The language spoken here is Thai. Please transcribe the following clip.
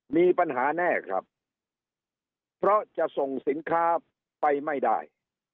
มีปัญหาแน่ครับเพราะจะส่งสินค้าไปไม่ได้